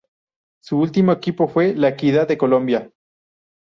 Su último equipo fue La Equidad de Colombia.